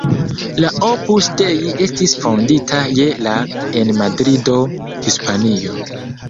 La Opus Dei estis fondita je la en Madrido, Hispanio.